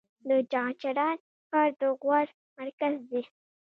د چغچران ښار د غور مرکز دی